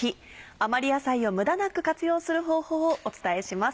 余り野菜を無駄なく活用する方法をお伝えします。